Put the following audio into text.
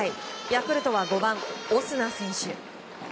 ヤクルトは５番、オスナ選手。